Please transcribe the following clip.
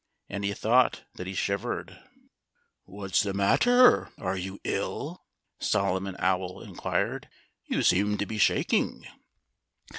And he thought that he shivered. "What's the matter? Are you ill?" Solomon Owl inquired. "You seem to be shaking."